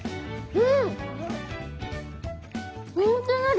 うん。